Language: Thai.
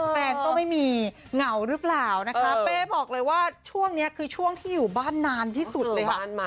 แฟนก็ไม่มีเหงาหรือเปล่านะคะเป้บอกเลยว่าช่วงนี้คือช่วงที่อยู่บ้านนานที่สุดเลยค่ะ